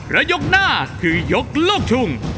และยกหน้าคือยกลูกทุ่ง